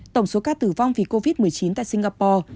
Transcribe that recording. tổng số ca tử vong vì covid một mươi chín tại singapore